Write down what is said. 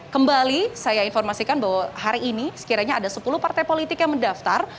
kembali saya informasikan bahwa hari ini sekiranya ada sepuluh partai politik yang mendaftar